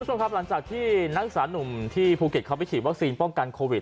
คุณผู้ชมครับหลังจากที่นักศึกษานุ่มที่ภูเก็ตเขาไปฉีดวัคซีนป้องกันโควิด